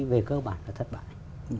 về cơ bản là thất bại